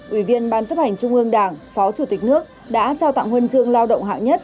ủy viên ban chấp hành trung ương đảng phó chủ tịch nước đã trao tặng huân chương lao động hạng nhất